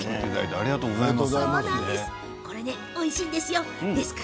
ありがとうございます。